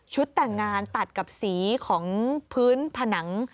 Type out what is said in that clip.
แต่งงานตัดกับสีของพื้นผนัง